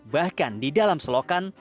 bahkan di dalam selokan